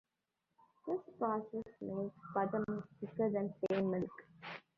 This process makes buttermilk thicker than plain milk.